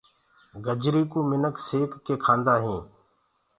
گجري ڪوُ منک سيڪ ڪي کآندآ هينٚ۔